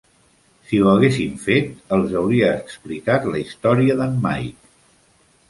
Si ho haguessin fet, els hauria explicat la història d'en Mike.